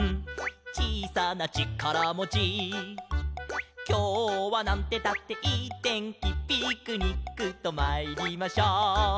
「ちいさなちからもち」「きょうはなんてったっていいてんき」「ピクニックとまいりましょう」